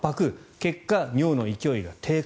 結果、尿の勢いが低下。